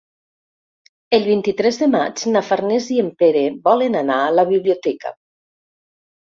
El vint-i-tres de maig na Farners i en Pere volen anar a la biblioteca.